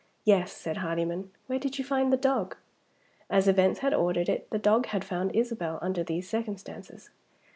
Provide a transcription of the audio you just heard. "Yes," said Hardyman. "Where did you find the dog?" As events had ordered it, the dog had found Isabel, under these circumstances.